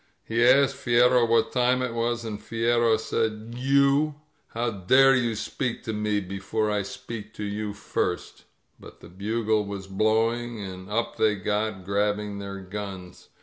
He asked Fierro what time it was, and Fierro said. You ! How dare you speak to me before I speak to you first ^" But the bugle was blowing, and up they got, grab bing their guns.